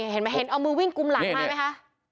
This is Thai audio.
เห็นเอามือวิ่งกุมหลังมาไหมคะ